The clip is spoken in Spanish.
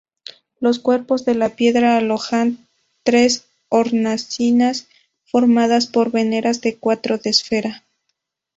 Los cuerpos de piedra alojan tres hornacinas, formadas por veneras de cuarto de esfera.